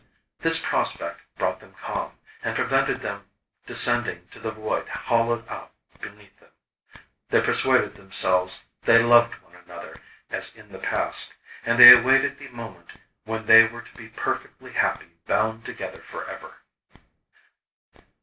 This prospect brought them calm, and prevented them descending to the void hollowed out beneath them. They persuaded themselves they loved one another as in the past, and they awaited the moment when they were to be perfectly happy bound together for ever.